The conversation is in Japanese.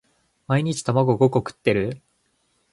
毎日卵五個食ってる？